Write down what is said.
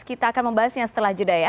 kita akan membahasnya setelah jeda ya